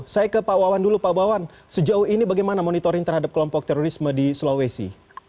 saya ke pak wawan dulu pak wawan sejauh ini bagaimana monitoring terhadap kelompok terorisme di sulawesi